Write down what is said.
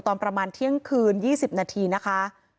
ตอนประมาณเที่ยงคืน๒๐นาทีนะคะ